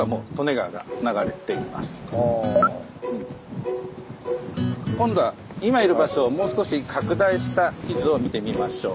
そうですね。今度は今いる場所をもう少し拡大した地図を見てみましょう。